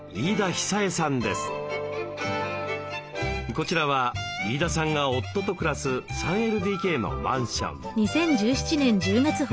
こちらは飯田さんが夫と暮らす３ＬＤＫのマンション。